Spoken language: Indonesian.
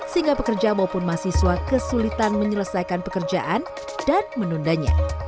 sehingga pekerja maupun mahasiswa kesulitan menyelesaikan pekerjaan dan menundanya